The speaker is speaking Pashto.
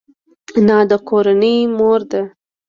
انا د کورنۍ مور ده